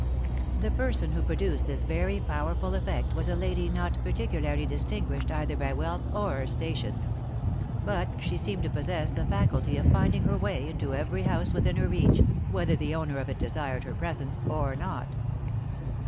The person who produced this very powerful effect was a lady not particularly distinguished either by wealth or station ; but she seemed to possess the faculty of finding her way into every house within her reach, whether the owner of it desired her presence or not.